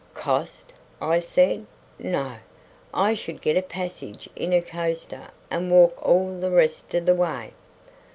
"Cost!" I said. "No. I should get a passage in a coaster and walk all the rest of the way."